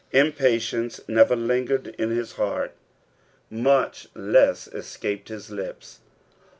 Impatience never lingered in bis hiatrt, mncb less escaped his lips.